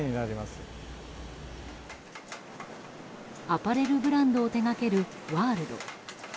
アパレルブランドを手掛けるワールド。